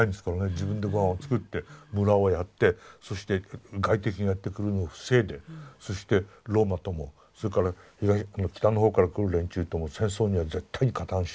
自分で御飯を作って村をやってそして外敵がやって来るのを防いでそしてローマともそれから北のほうから来る連中とも戦争には絶対に加担しない。